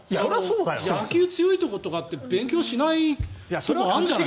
野球が強いところって勉強しないところとかあるんじゃないの？